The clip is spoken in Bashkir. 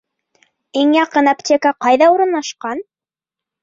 Иң яҡын аптека ҡайҙа урынлашҡан?